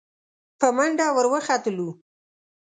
په منډه ور وختلو.